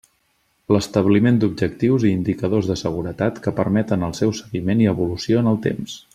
L'establiment d'objectius i indicadors de seguretat que permeten el seu seguiment i evolució en el temps.